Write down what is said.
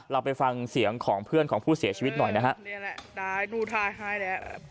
เราไปฟังเสียงของเพื่อนของผู้เสียชีวิตหน่อยนะฮะนี่แหละ